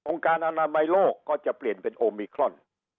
การอนามัยโลกก็จะเปลี่ยนเป็นโอมิครอน